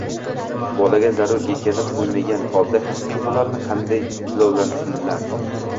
Bolaga zarar yetkazib qo‘ymagan holda his-tuyg‘ularini qanday jilovlasinlar?